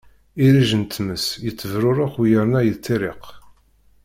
Irrij n tmes yettebṛuṛuq u yerna yettiṛṛiq.